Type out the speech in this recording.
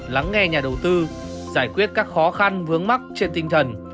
lắng nghe nhà đầu tư giải quyết các khó khăn vướng mắt trên tinh thần